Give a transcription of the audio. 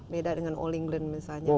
beda dengan all england misalnya